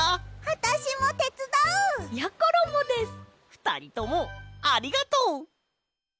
ふたりともありがとう！